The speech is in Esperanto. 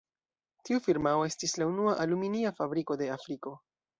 Tiu firmao estis la unua aluminia fabriko de Afriko.